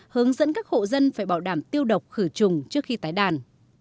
hướng dẫn các hộ dân phải bảo đảm tiêu độc khử trùng trước khi tái đàn